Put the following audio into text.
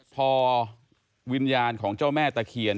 พอวิญญาณของเจ้าแม่ตะเคียน